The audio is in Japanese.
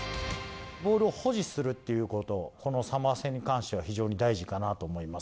ボールを保持するっていうこと、このサモア戦に関しては非常に大事かなと思います。